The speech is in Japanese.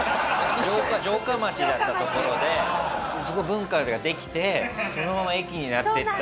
城下町だったところで文化ができてそのまま駅になっていった。